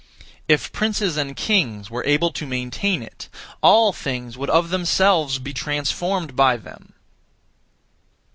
If princes and kings were able to maintain it, all things would of themselves be transformed by them.